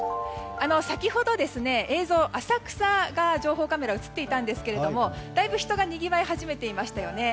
先ほど映像は浅草が情報カメラ映っていたんですけどだいぶ人がにぎわい始めていましたよね。